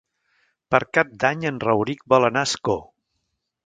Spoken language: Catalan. Per Cap d'Any en Rauric vol anar a Ascó.